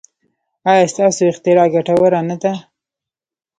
ایا ستاسو اختراع ګټوره نه ده؟